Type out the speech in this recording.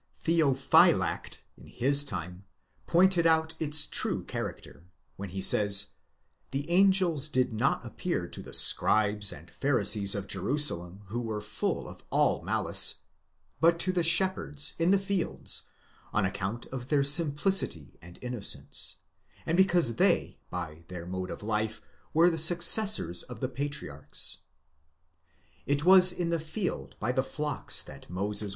Theophylact, in his time, pointed out its true character, when he says : the angels did not appear to the scribes and pharisees of Jerusalem who were full of all malice, but to the shepherds, in the fields, on account of their simplicity and innocence, and because they by their mode of life were the successors of the patriarchs.!° It was in the field by the flocks that Moses.